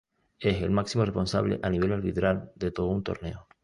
Es el máximo responsable a nivel arbitral de todo un torneo.